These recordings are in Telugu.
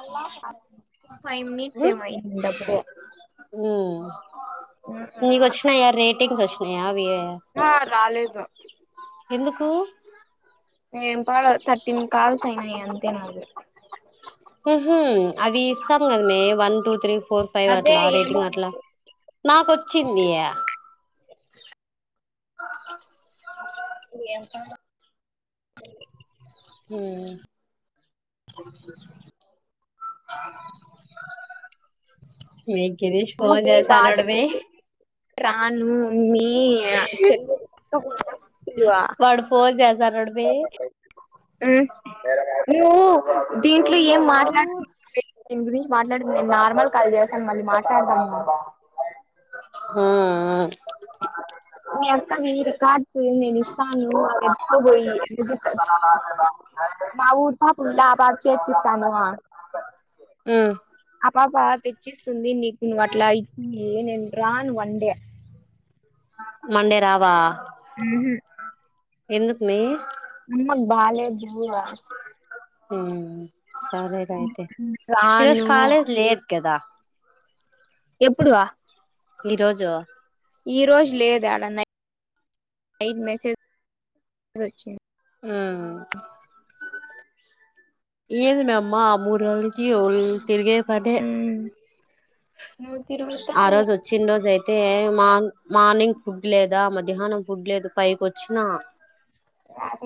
ఆలా ఫైవ్ మినిట్స్ ఏమో అయింది అపుడే ఉమ్ టింగ్ సవి [inaudible] ఆ రాలేదు ఎందుకు ఎం పాడో థర్టీన్ కాల్స్ అయ్ అంతే నా అఉహు అ వి ఇస్తాం కద మే వన్ టూ త్ త్రీ ఫోర్ ఫైవ్ అదే అట్లా ఏమో రేటింగ్ అట్లా నాకొచ్చింది [inaudible] లే ఎంత హామ్ మీ గిరీష్ ఫోన్ అమ్మకి చేశాడని బాలేదు మీ రాను మీ చెల్ల [unintelligible] వాడు ఫోన్ చేస్ ఉమ్ దీంట్లో ఏం ఈయవ్వ మాట్లాడుకుందామే దీని గురించి మాట్లాడు నేను నార్మల్ కాల్ చేసాను మళ్ళీ మాట్లాడదాం ఉ ఉ మీ అత్త మీరు కా నేను ఇస్తాను మా ఊరు [unintelligible] ఆ పుల్లబాద్ చేపిస్తాన్నవా ఉమ్ పాప తెచ్చిస్తుంది నీకు నువ్వు అట్లా ఇచ్చి రాను అంటే మండే రావా ఉహు ఎందుకు మీ అమ్మకు బాలేదు ఆ హామ్ సరేగా అయితే ఈరోజు రాను కాలేజ్ లేదు కదా ఎప్పుడువా ఈరోజు ఈ రోజు లేదు ఆడ నై నైట్ మెసేజ్ వచ్చింది ఆ ఏదు మే అమ్మా మూడు రోజు తిరిగే పనే నువ్వు ఆ తిరుగుతావులే రోజు వచ్చిన రోజు అయితే మా మార్నింగ్ ఫుడ్ లేదా మధ్యాహ్నం ఫుడ్ లేదు పైకి వచ్చినా ఆ [unintelligible]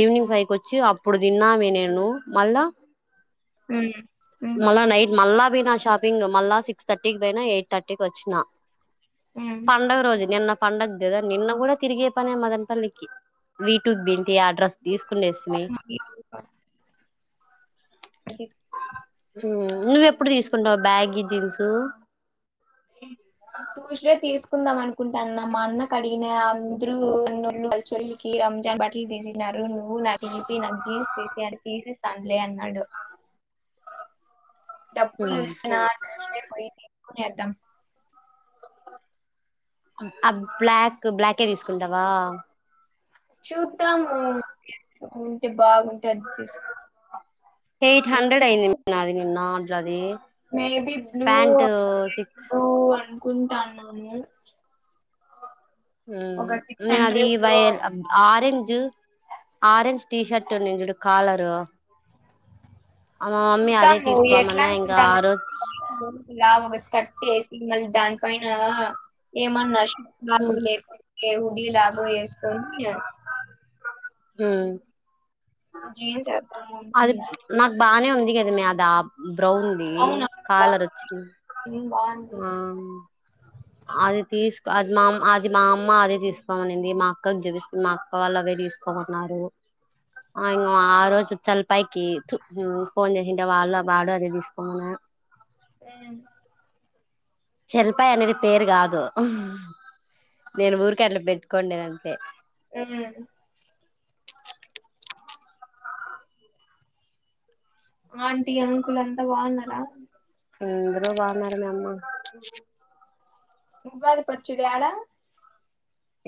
ఈవినింగ్ ఫైవ్ కి వచ్చి అ అప్పుడు తిన్నామే నేను మళ్ళా ఉ మల్ల నైట్ మల్ల ఇవి షాపింగ్ మల్ల సిక్స్ తర్టీకి పోయినా ఎయిట్ తర్టీకి వచిన్నా పండుగ రోజు నిన్న పండగ గదా నిన్న గుడా తి తీసుకునేస్తిమి అజిత్ నువ్వెప్పుడు తీసుకుంటావ్ బ్యాగి జీన్సు ఇ ట్యూస్డే తీ తీసుకుందాం అనుకుంటా మా అన్న కడిగిన అందరూ అన్నోళ్లు వాల్ల చెల్లికి రంజాన్ బట్టలు తీసినారు నువ్వు నాకు తీసి నాకు జీన్స్ డబ్బులుసిన [unintelligible] కొనేద్దాం అ బ్లాక్ బ్లాకే వేసుకుంటావా చూద్దము ఉంటే బాగుంటది తీసు ఎయిట్ హండ్రెడ్ అయింది నాది నిన్న ట్లాదె మేబి బ్లూ [unintelligible] సిక్స్ బ్లూ అనుకుంటాన్నాను. ఉమ్ ఒక సిక్స్ నేనది హండ్రెడ్ లో వైయల్ ఆరంజ్ ఆరెంజ్ టీషర్ట్ ఉన్నింది చూడు కాలర్ చూదాము ఎట్లా తీసుకోమన్నా ఇంకా అనుకుంట ఆ రోజు [unintelligible] లాగా వ కట్టేసి మళ్ళీ దాని పన ఏమన్నా న మ్ [unintelligible] లేకుంటే ఉబి లాగో వేసుకోని ఉమ్ జీన్స్ వేద్దాము అనుకున్నా. అది నాకు బానే ఉంది. అడిగదా ఆ దాబ్ బ్రౌన్ ది అవునా కాలర్ వచ్చి బాగుంది బాగుంది ఉమ్ అది తీసుకో అది మామ్ అది మా అమ్మ అదె తీసుకోమనింది మా అక్కకి చూపిస్తుంది మా అక్క వాళ్ళు అవే తీసుకోమన్నారు అ ఇంగ ఆ రోజు చలిపాకి ఫోన్ చేసింటే వాళ్ళు వాడు అదే తీసుకోమన్నాడు. ఆ చెల్పాయ అనేది పేరు గాదు నేను ఊరికే అట్ల పెట్టుకోండేది అంతే ఉమ్ ఆంటీ అంకుల్ అంతా బాగున్నారా అందరు బాగున్నారు మే అమ్మ ఉగాది పచ్చడి యాడ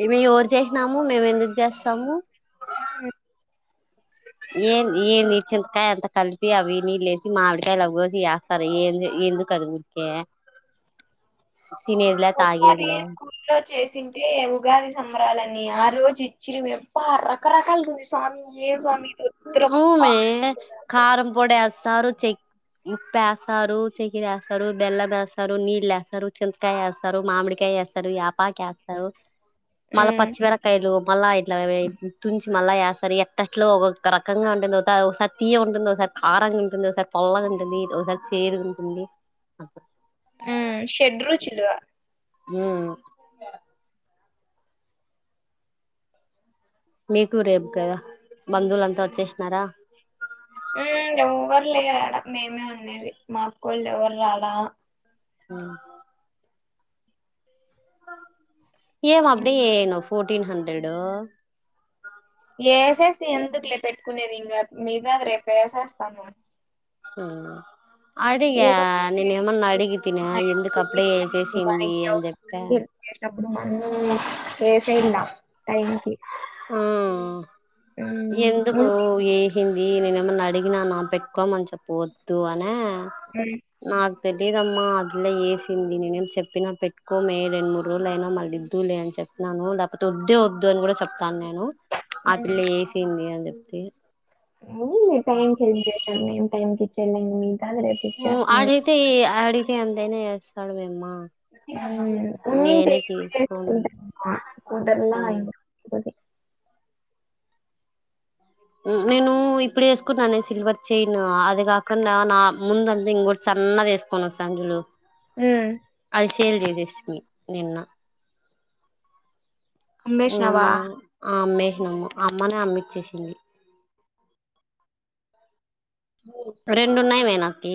ఏమి ఎవరు చేసినాము మేము ఎందుకు చేస్తాము. అ ఏం ఏంది చింతకాయ అంత కలిపి అవి నీళ్ళేసి మామివిడికాయలు అవి కోసి చేస్తారు ఏ ఏందు కది ఊరికే తినేదిలే పాది తాగేదిలే స్కూలో చేసింతే ఉగాది సంబరాలన్నీ ఆ రోజు ఇచ్చిరి వప్ప రకరకాలు చూ ఆమె కారం పొడిస్తే వేస్తారు చె ఉప్పు వేస్తారు చెకిర వేస్తారు బెల్లం వేస్తారు నీళ్లు వేస్తారు చింతకాయ వేస్తారు మామిడికాయ వేస్తారు యాపాక వేస్తారు మల్ల ఉమ్, పచ్చి మిరప కాయలు మ ఇలా తు మల్ల యాసరి తట్లో ఒకొక్క రకంగా ఉంటుంది ఒక ఒకసారి తీయ ఉంటుంది ఒకసారి కారంగా ఉంటుంది ఒకసారి పొల్లగా ఉంటుంది ఒకసారి చేరుగా ఉంటుంది ఉ షెడ్రుచులు ఉమ్ మీకు రేపు కదా బంధువులంతా వచ్చేసినారా ఉమ్ అవ్వరు లేరడ మేము ఉన్నా అనేది మాకు వాళ్ళు ఎవరు రాలా ఆ ఆ ఏం అబ్భి ను ఫోట టీన్ హండ్రెడ్ ఏసేసి ఎందుకులే పెట్టుకునేది మీద రేపేసేస్తాను ఆ అడిగా నేను ఏమన్నా అడిగితిన ఎందుకు అప్పుడే చేసింది మనకి అని చెప్పా అవసరానికి ఏసనా థ్యాంక్ ఆ ఉమ్ ఎందుకు ఉంది. ఎ ఏంది నేను ఏమైన్నా అడిగినా నా పెట్టుకోమని చె పోద్దు అనే నా తెలియదమ్మా అదిలా చేసింది నేనేం చెప్పినా పెట్టుకోమే రెండు మూడు రోజులు అయినా మళ్ళీ ఇద్దులే అని చెప్పినాను లేకపోతే వద్దే వద్దు అని కూడా చెప్ కానీ ఆ పిల్ల వేసింది అ ఏ న టైమ్ చెం చేసా టైంకి చెల్ల ఉమ్ అడిగితే అది తైనే చేస్స్తాను మేమ్మా తీసుకోను ఉన్న అలయి నేను ఇప్పుడు వేసుకున్నానే సిల్వర్ చయిన్ అది కాకుండా నా ముంద అంతా ఇంకోటి చన్నది వేసుకోన్న చూడు ఉమ్ శేల్ రదశష్మి నిన్న అంబేష్ నావా [inaudible] అమ్మనా అమ్మిచ్చేసింది రెండున్నాయి నయ్నా పీ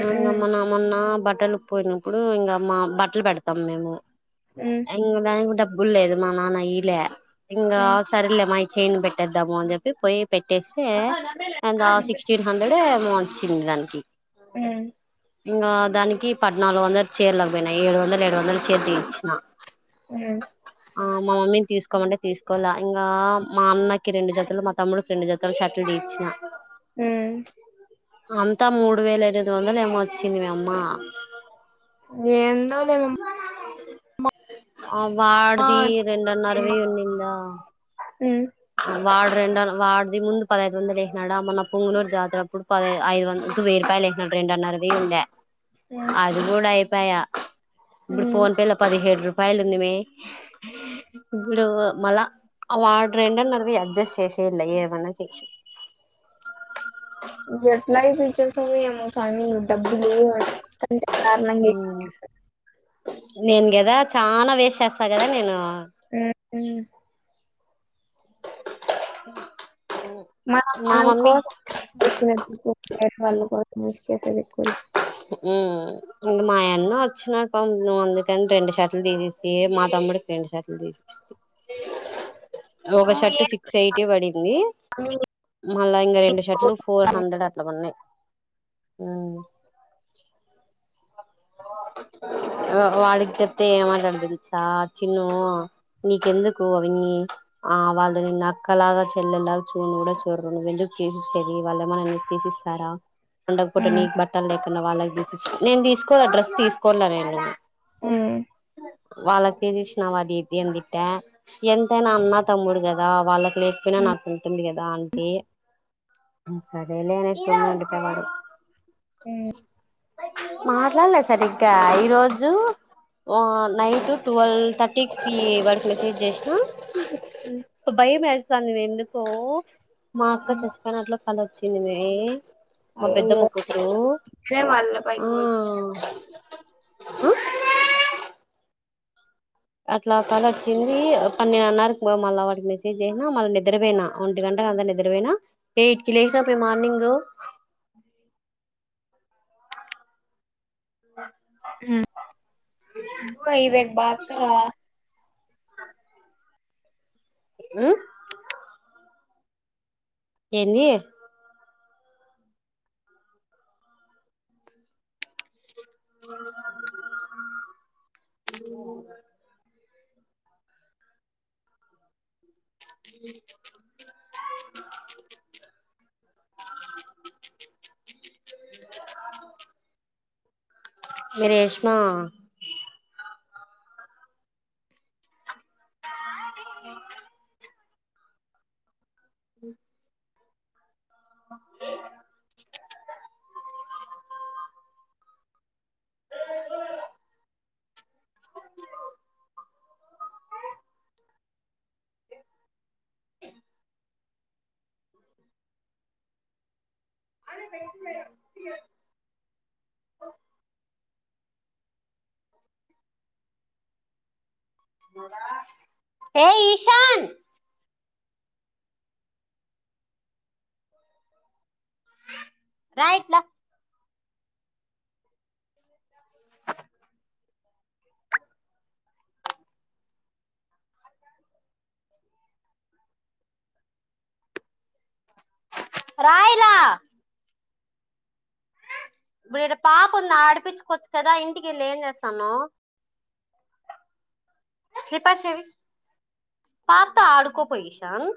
[inaudible] మొన్న బట్టలు పోయినప్పుడు ఇంకా మా బట్టలు పెడతాం మేము ఇంగ దానికి డబ్ బ్బులు లేదు మా నాన్న ఈలే ఇంగ సరిలే మాయ్ చేను పెట్టేద్దాము అని చెప్పి పోయి పెట్టేసే అంగ ఆ సిక్స్ [inaudible] హండ్రెడో ఏమో వచ్చింది దానికి ఏందోలేమమ్మా ఇంగా దాని కి పద్నాలుగు వందలు చేర్ల బోయిన ఏడు వందలు ఏడు వందలు చీర దీయిచ్ మా ఆ మా మమ్మీని తీసుకోమంటే తీసుకోలా ఇంకా మా అన్నకి రెండు జతలు మా తమ్ముడు రెండు జతలు షర్ట్ లు తీయిచ్చినా ఉమ్ అంతా మూడు వేల ఎనిమిది వందలు ఏమో వచ్చింది మి అమ్మ ఆ వాడిది రెండున్నర్ర వెయ్యి ఉన్నిందా వాడు రెండు వాడిది ముందు పదైదు వందలు ఏస్నాడా మొన్న పుంగునూరు జాతరప్పుడు పదైదు ఐదు వంద వెయ్యి రపాయలు ఏస్నాడు రెండున్నర్ర వెయ్యి ఉండె ఆది కూడై పయా ఇప్పుడు ఫోన్ పే లొ పదిహేడు రు పాయలుంది మే ఇప్పుడు మళ్ళా వాడు రెండున్నర వెయ్యి అడ్జస్ట్ చేసేయ్యల ఏమన్నా చే ఇంకెట్లా ఐపిచ్చేస్ తవో ఏమో [unintelligible] డబ్బులు [inaudible] కారణంగా నేను గదా చానా వేస్ట్ చేస్తా కదా నేను ఉమ్ ఊ [unintelligible] మనం మా మనం మమ్మీ [inaudible] మిక్స్ చేసేది ఎక్కువలే ఉమ్ ఇంక మాయన్న వచ్చినాడు పం అందుకని రెండు షర్ట్లు తీసిస్సి మా తమ్ముడికి రెండు షర్ట్లు తీసి ఒక నువ్వు షర్ట్ ఏ సిక్స్ ఎయిటీ పడింది స్వామి మళ్ళా ఇంకా రెండు నీకు? షర్ట్లు ఫోర్ హండ్రెడ్ అట్లా పడినాయి ఆహ్. ఆహ్ వాళ్ళకి చెప్తే ఏమంటాడు తెలుసా చిన్ను నీకెందుకు అవిన్ని ఆహ్ వాళ్ళు నిన్ను అక్కలాగా చెల్లెలాగా చూడను కూడా చూడరు నువ్వు ఎందుకు చేసి ఇచ్చేది. వాళ్ళు ఏమైనా నీకు తీసి ఇస్తారా. ఉండకపోతే నీకు బట్ట్ బట్టలు లేకున్నా వాళ్ళకి తీసిస్తా. నేను తీకోను ఆ డ్రెస్ తీసుకొను రా నేను. ఆహ్. ఉమ్, ఉమ్, వాళ్ళకే తీష్నవ ఇదేం ఇట్టా ఎంతైనా అన్న తమ్ముడు కదా వాళ్ళక్ లేకపోయినా ఉమ్, నాకు ఉంటుంది కదా. దా అంటే ఉమ్ సరే లే నేను వండిటేవాడు. ఉమ్, మట్లాడలే. సరిగ్గా ఈరోజు ఆహ్ నైట్ ట్వల్వ్ థర్టీ కీ వాడికి మెసేజ్ చేసినా ఉమ్, భయమేస్తోంది ఎందు ఓ మా అక్క ఉమ్. చచ్చిపోయినట్లు. కాల్ వచ్చింది మే. మా పెద్దమ్మ కూతురు. చేయ్ మల్ల పైకి పోయి. ఆహ్. అట్లా కళ వచ్చింది పన్నెండున్నరకి మళ్ళ వాడికి మెసేజ్ చేసిన మళ్ళీ నిద్రపోయినా ఒంటి గంటకి అంతా నిద్రపోయినా ఎయిట్ కి లేచినప్పుడే మార్నింగ్. ఆహ్. బాయ్ ఇదేర్ బాత్ కరో ఆ. ఆహ్. ఏంది. రేష్మా. ఆహ్. ఉమ్. అలా ఏం లేదు తీయద్. హే ఈశన్. రాయిట్లా. రా ఇలా. ఇప్పుడు ఈడ పాప ఉంది ఆడిపించుకోవచ్చు కదా. ఇంటికి వెళ్ళి ఏం చేస్తున్నావ్. స్లిప్పర్స్ ఏవి. పాపతో ఆడుకోపోయి ఇషాన్.